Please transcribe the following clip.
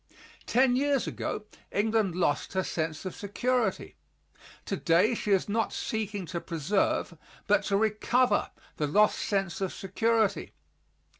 Ten years ago England lost her sense of security. Today she is not seeking to preserve, but to recover, the lost sense of security.